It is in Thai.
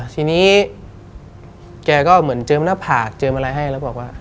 ทีนี้แกก็เหมือนเจิมหน้าผากเจิมอะไรให้แล้วบอกว่า